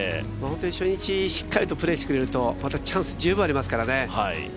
本当に初日しっかりプレーしてくれるとチャンス十分にありますからね。